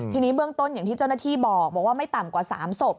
ทีนี้เบื้องต้นอย่างที่เจ้าหน้าที่บอกว่าไม่ต่ำกว่า๓ศพ